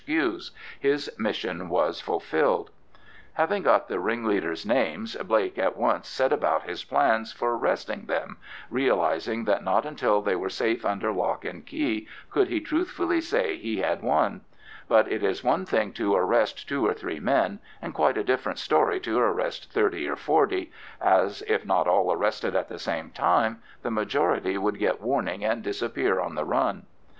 Q.'s—his mission was fulfilled. Having got the ringleaders' names, Blake at once set about his plans for arresting them, realising that not until they were safe under lock and key could he truthfully say that he had won; but it is one thing to arrest two or three men, and quite a different story to arrest thirty or forty, as, if not all arrested at the same time, the majority would get warning and disappear on the run.